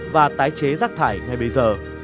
và tái chế rác thải ngay bây giờ